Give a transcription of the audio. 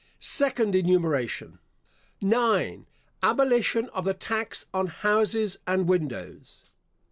Second Enumeration 9. Abolition of the tax on houses and windows.